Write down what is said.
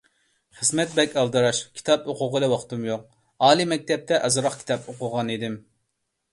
خىزمەت بەك ئالدىراش، كىتاب ئوقۇغىلى ۋاقتىم يوق، ئالىي مەكتەپتە ئازراق كىتاب ئوقۇغانىدىم.